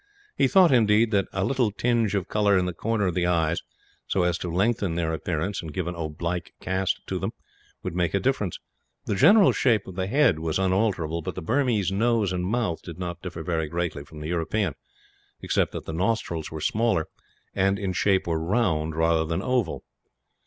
He thought, indeed, that a little tinge of colour in the corner of the eyes, so as to lengthen their appearance and give an oblique cast to them, would make a difference. The general shape of the head was unalterable, but the Burmese nose and mouth did not differ very greatly from the European; except that the nostrils were smaller and, in shape, were round rather than oval.